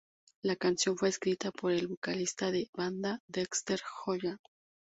La canción fue escrita por el vocalista de la banda, Dexter Holland.